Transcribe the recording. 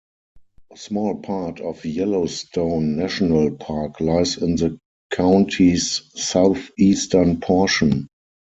A small part of Yellowstone National Park lies in the county's southeastern portion.